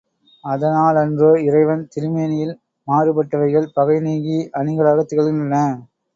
அதனாலன்றோ இறைவன் திருமேனியில் மாறுபட்டவைகள் பகை நீங்கி அணிகளாகத் திகழ்கின்றன.